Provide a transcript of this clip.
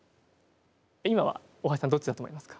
今は大橋さんどっちだと思いますか？